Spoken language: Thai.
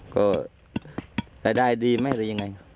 ก็รายได้ดีไหมหรือยังไง